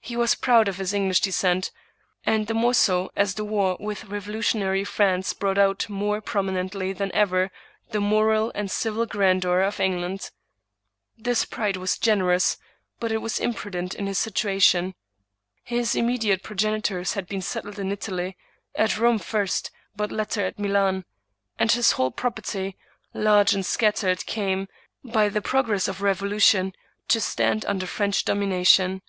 He was proud of this English descent, and the more so as the war with revolutionary France brought out more prom inently than ever the moral and civil grandeur of England. This pride was generous, but it was imprudent in his situa tion. His immediate progenitors had been settled in Italy — at Rome first, but latterly at Milan ; and his whole property, large and scattered, came, by the progress of the revolution, to stand under French domination.